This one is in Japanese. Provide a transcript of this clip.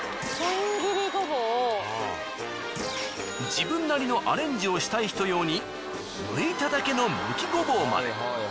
自分なりのアレンジをしたい人用にむいただけのむきごぼうまで。